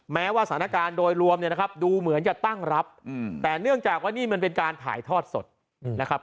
แม้ว่าสถานการณ์โดยรวมเนี่ยนะครับดูเหมือนจะตั้งรับแต่เนื่องจากว่านี่มันเป็นการถ่ายทอดสดนะครับ